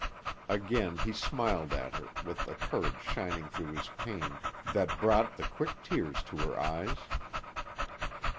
Again he smiled at her, with a courage shining through his pain that brought the quick tears to her eyes.